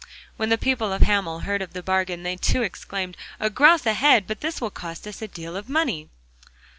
When the people of Hamel heard of the bargain, they too exclaimed: 'A gros a head! but this will cost us a deal of money!